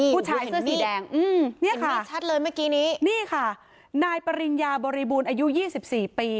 ผู้ชายเสื้อสีแดงนี่ค่ะนี่ค่ะนายปริญญาบริบูรณ์อายุ๒๔ปี